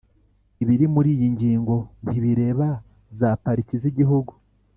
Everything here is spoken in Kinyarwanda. Ibiri muri iyi ngingo ntibireba za Pariki z Igihugu